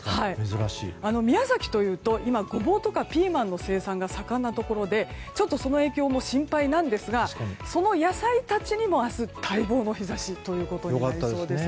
宮崎というと今ゴボウとかピーマンの生産が盛んなところでその影響も心配なんですがその野菜たちにも明日待望の日差しとなりそうです。